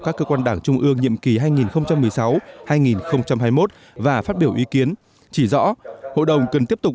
các cơ quan đảng trung ương nhiệm kỳ hai nghìn một mươi sáu hai nghìn hai mươi một và phát biểu ý kiến chỉ rõ hội đồng cần tiếp tục